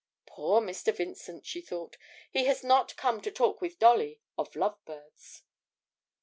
'Poor Mr. Vincent!' she thought; 'he has not come to talk with Dolly of lovebirds.'